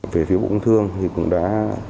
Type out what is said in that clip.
về phía bộ công thương thì cũng đã